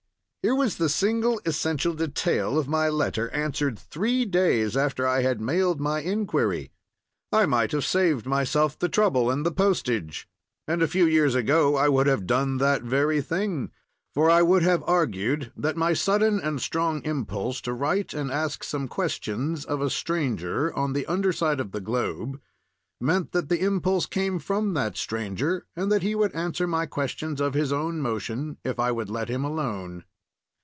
Here was the single essential detail of my letter answered three days after I had mailed my inquiry. I might have saved myself the trouble and the postage—and a few years ago I would have done that very thing, for I would have argued that my sudden and strong impulse to write and ask some questions of a stranger on the under side of the globe meant that the impulse came from that stranger, and that he would answer my questions of his own motion if I would let him alone.